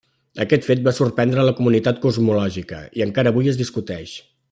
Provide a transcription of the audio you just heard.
Aquest fet va sorprendre la comunitat cosmològica i encara avui es discuteix.